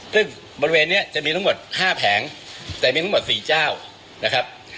ซึ่งบริเวณนี้จะมีทั้งหมด๕แผงแต่มีทั้งหมด๔เจ้านะครับ